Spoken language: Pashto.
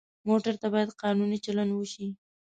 موټر ته باید قانوني چلند وشي.